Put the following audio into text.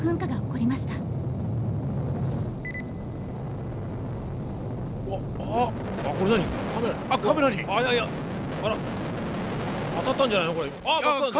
当たったんじゃないの？